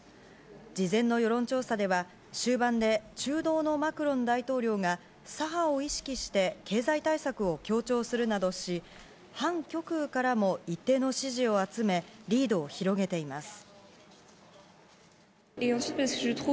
事前の世論調査では、終盤で、中道のマクロン大統領が、左派を意識して経済対策を強調するなどし、反極右からも一定の支持を集め、リードを広げています。